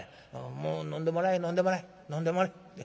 もう飲んでもらい飲んでもらい飲んでもらい。